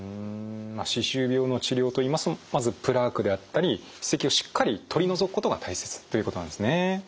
歯周病の治療といいますとまずプラークであったり歯石をしっかり取り除くことが大切ということなんですね。